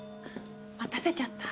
待たせちゃった？